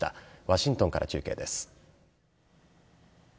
ワシントンから中継です。